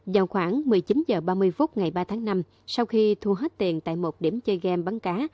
vào khoảng một mươi chín h ba mươi phút ngày ba tháng năm sau khi thu hết tiền tại một điểm chơi game bắn cá